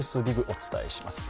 お伝えします。